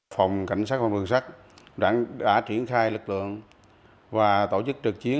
phòng cảnh sát giao thông đường sát đã triển khai lực lượng và tổ chức trực chiến hai mươi bốn hai mươi bốn